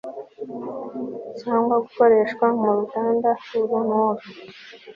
cyangwa gukoreshwa mu ruganda uru n uru